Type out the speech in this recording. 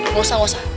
eh gak usah gak usah